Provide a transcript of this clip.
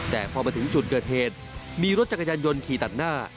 แต่พอมาถึงจุดเกิดเหตุมีรถจักรยานยนต์ขี่ตัดหน้า